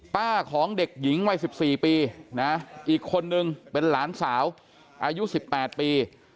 ของเด็กหญิงวัย๑๔ปีนะอีกคนนึงเป็นหลานสาวอายุ๑๘ปี